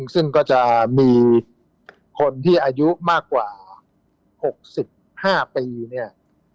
ซึ่งก็จะมีคนที่อายุมากกว่า๖๕ปีเนี่ย